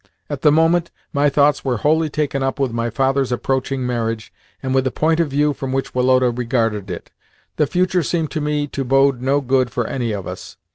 At the moment, my thoughts were wholly taken up with my father's approaching marriage and with the point of view from which Woloda regarded it. The future seemed to me to bode no good for any of us.